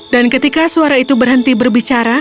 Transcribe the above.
dan ketika suara itu berhenti berbicara